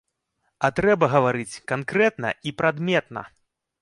А трэба гаварыць канкрэтна і прадметна!